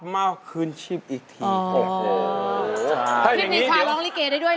มาคืนชีพอีกที